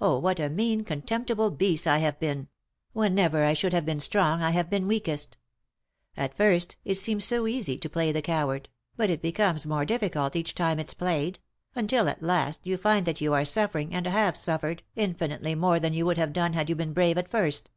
Oh, what a mean, con temptible beast I've been 1 — wherever I should have been strong I have been weakest 1 At first it seems so easy to play the coward ; but it becomes more difficult each time it's played ; until, at last, you find that you are suffering, and have suffered, infinitely more than you would have done had you been brave at first.